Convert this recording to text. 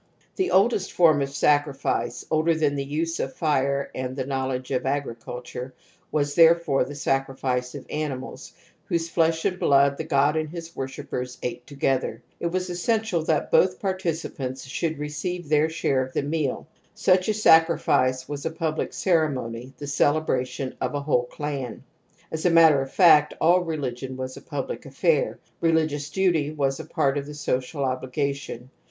(The oldest form of sacrifice, older than the use of fire and the knowledge of agriculture, was therefore the sacrifice of animals, whose flesh INFANTILE REeURRENCE OF TOTEMISM 22d and blood the god and his worshippers ate togetherj It was essential that both parti cipants should receive their shares of the meal. Such a sacrifice was a public ceremony, the celebration of a whole clan. As a matter of fact all religion was a public affair; religious duty was a part of the social obligation.